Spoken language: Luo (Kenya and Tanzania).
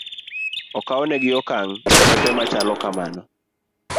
Okawnegi okang' derepe ma chalo kamano.